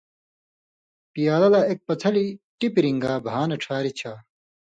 پیالہ لا ایک پڅھلیۡ ٹِپیۡ رِن٘گا بھا نہ ڇھاری چھا۔